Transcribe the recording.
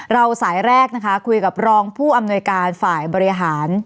สายแรกนะคะคุยกับรองผู้อำนวยการฝ่ายบริหาร